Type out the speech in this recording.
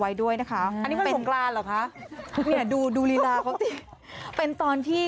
ไว้ด้วยนะคะอันนี้เป็นกลานเหรอคะเนี่ยดูดูลีลาเขาสิเป็นตอนที่